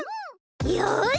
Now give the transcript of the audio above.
よし！